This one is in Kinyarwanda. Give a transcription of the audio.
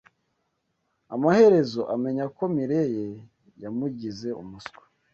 Amaherezo amenya ko Mirelle yamugize umuswa.